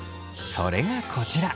それがこちら。